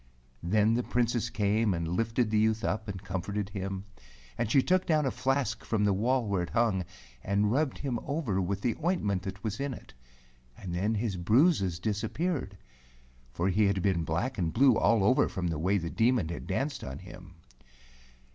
Then the Princess came, and lifted the youth up and comforted him, and she took down a flask from the wall where it hung, and rubbed him over with the ointment that was in it, and then his bruises disappeared — for he had been black and blue all over from the way the Demon had danced on him.